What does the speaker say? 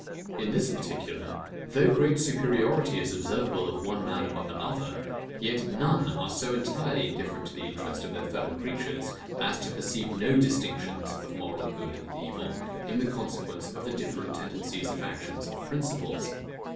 In this particular, though great superiority is observable of one man above another; yet none are so entirely indifferent to the interest of their fellow creatures, as to perceive no distinctions of moral good and evil, in consequence of the different tendencies of actions and principles.